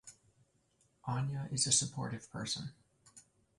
Anja is a sportive person.